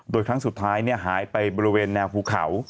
โดยครั้งสุดท้ายหายไปบริเวณแนวภูเขา